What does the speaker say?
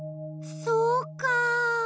そうか。